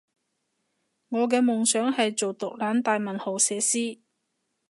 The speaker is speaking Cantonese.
我嘅夢想係做毒撚大文豪寫詩